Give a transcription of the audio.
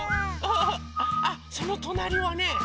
あそのとなりはね。